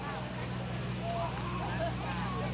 สวัสดีครับทุกคน